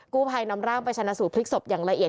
กู้ภัยนำร่างไปชนะสูตรพลิกศพอย่างละเอียด